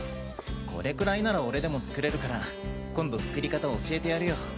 これくらいなら俺でも作れるから今度作り方教えてやるよ。